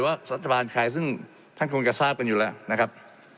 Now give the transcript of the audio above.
ว่ารัฐบาลใครซึ่งท่านคงจะทราบกันอยู่แล้วนะครับ